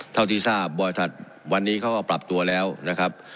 เท่าที่ทราบบริษัทวันนี้เขาก็ปรับตัวแล้วนะครับ